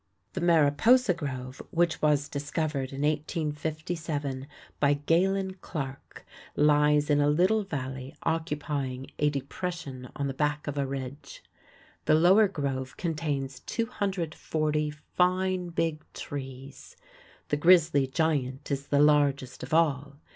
The Mariposa Grove which was discovered in 1857 by Galen Clark lies in a little valley occupying a depression on the back of a ridge. The Lower Grove contains 240 fine Big Trees. The Grizzly Giant is the largest of all.